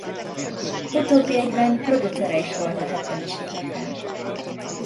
Utóbbi egyben producere is volt a hetvenes években.